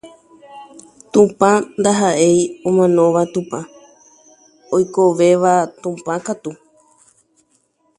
Dios no es Dios de muertos, sino de vivos.